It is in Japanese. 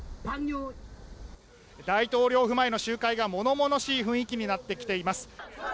大統領府前の集会が物々しい雰囲気になってきています。